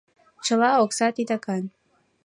— Чыла окса титакан.